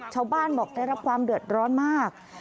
ชาวบ้านบอกได้รับความเดือดร้อนมาก